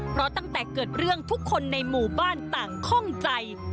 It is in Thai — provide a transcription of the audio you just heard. เพราะตั้งแต่เกิดเรื่องทุกคนในหมู่บ้านต่างคล่องใจ